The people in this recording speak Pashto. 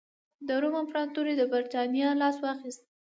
د روم امپراتورۍ له برېټانیا لاس واخیست